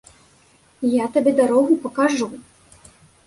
Я табе дарогу пакажу.